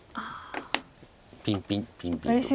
ピンピンピンピンと。